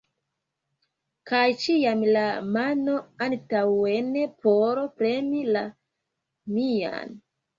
Kaj ĉiam la mano antaŭen por premi la mian!